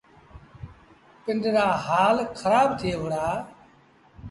پنڊرآ هآل کرآب ٿئي وُهڙآ۔